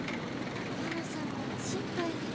矢野さんが心配で。